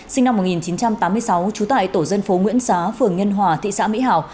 sinh năm một nghìn chín trăm tám mươi sáu trú tại tổ dân phố nguyễn xá phường nhân hòa thị xã mỹ hảo